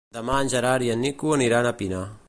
Demà en Gerard i en Nico iran a Pina.